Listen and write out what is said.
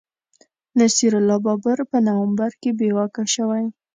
نصیر الله بابر په نومبر کي بې واکه شوی